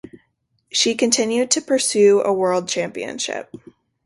She continues to pursue a world championship.